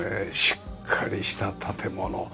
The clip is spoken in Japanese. しっかりした建物。